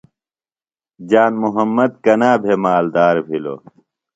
جان محمد کنا بھےۡ مالدار بِھلوۡ؟